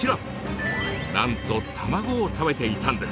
なんと卵を食べていたんです。